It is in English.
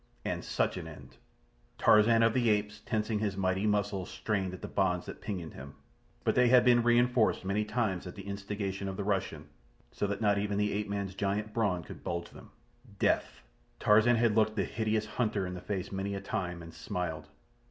And such an end! Tarzan of the Apes, tensing his mighty muscles, strained at the bonds that pinioned him; but they had been re enforced many times at the instigation of the Russian, so that not even the ape man's giant brawn could budge them. Death! Tarzan had looked the Hideous Hunter in the face many a time, and smiled.